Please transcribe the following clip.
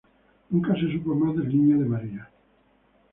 Nunca se supo más del niño de María.